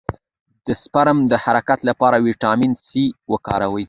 د سپرم د حرکت لپاره ویټامین سي وکاروئ